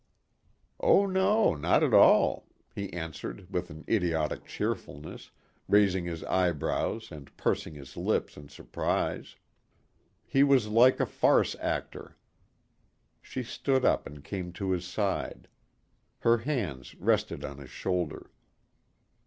"Oh no, not at all," he answered with an idiotic cheerfulness, raising his eyebrows and pursing his lips in surprise. He was like a farce actor. She stood up and came to his side. Her hands rested on his shoulder.